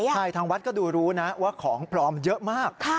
ใช่ทางวัดก็ดูรู้นะว่าของปลอมเยอะมาก